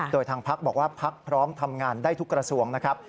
โดยทางพักบอกว่าพักพร้อมทำงานได้ทุกกระทรวงนะครับ